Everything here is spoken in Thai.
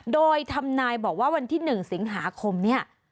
โดยทำนายบอกว่าวันที่๑สิงหาคมเนี่ย